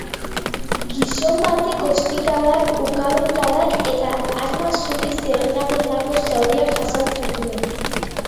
Gizon batek ostikadak, ukabilkadak eta arma zuriz eragindako zauriak jasan zituen.